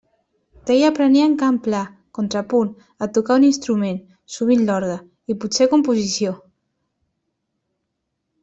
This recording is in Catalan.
D'ell aprenien cant pla, contrapunt, a tocar un instrument –sovint l'orgue–, i potser composició.